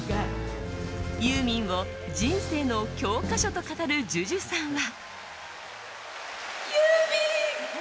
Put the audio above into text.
ユーミンを人生の教科書と語るＪＵＪＵさんは。